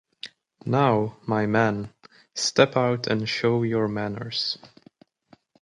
Now, my men, step out and show your manners.